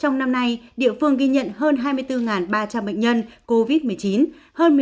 trong năm nay địa phương ghi nhận hơn hai mươi bốn ba trăm linh bệnh nhân covid một mươi chín hơn một mươi ba người đã khỏi bệnh